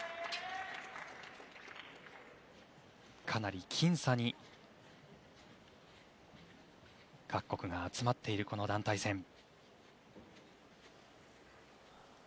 かなり僅差に各国が集まっているこの団体戦。